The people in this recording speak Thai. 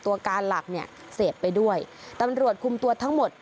ตัวการหลักเนี่ยเสพไปด้วยตำรวจคุมตัวทั้งหมด